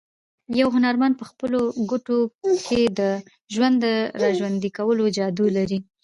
یو هنرمند په خپلو ګوتو کې د ژوند د راژوندي کولو جادو لري.